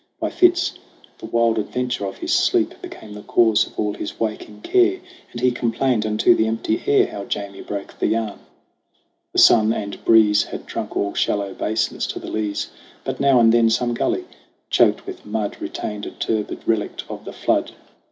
By fits the wild adventure of his sleep Became the cause of all his waking care, And he complained unto the empty air How Jamie broke the yarn. The sun and breeze Had drunk all shallow basins to the lees, But now and then some gully, choked with mud, Retained a turbid relict of the flood.